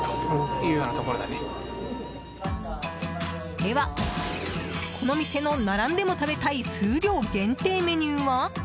では、この店の並んでも食べたい数量限定メニューは？